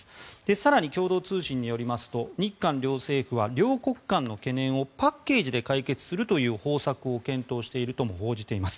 更に共同通信によりますと日韓両政府は両国間の懸念をパッケージで解決するという方策を検討しているとも報じています。